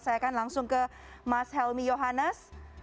saya akan langsung ke mas helmi yohanes